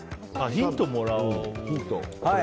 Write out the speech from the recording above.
ヒントをもらおう。